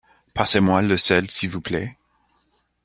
Passez-moi le sel s’il vous plait.